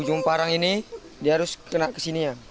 ujung parang ini dia harus kena kesini ya